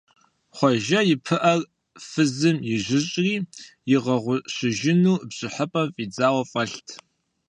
Хъуэжэ и пыӀэр фызым ижьыщӀри, игъэгъущыжыну бжыхьыпэм фӀидзауэ фӀэлът.